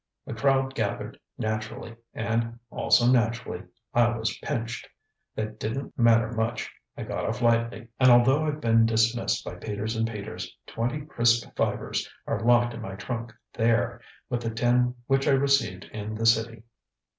A crowd gathered, naturally, and (also naturally) I was 'pinched.' That didn't matter much. I got off lightly; and although I've been dismissed by Peters and Peters, twenty crisp fivers are locked in my trunk there, with the ten which I received in the City.